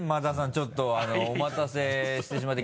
ちょっとお待たせしてしまって。